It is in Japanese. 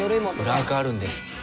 裏アカあるんで。